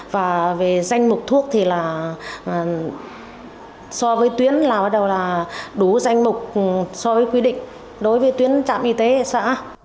và về danh mục thuốc thì là so với tuyến là bắt đầu là đủ danh mục so với quy định đối với tuyến trạm y tế xã